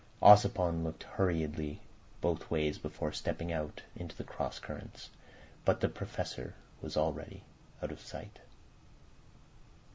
Ossipon looked hurriedly both ways before stepping out into the cross currents, but the Professor was already out of sight.